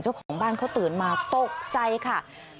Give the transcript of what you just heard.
เจ้าของบ้านเขาตื่นมาตกใจค่ะ